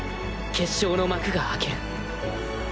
決勝の幕が開ける。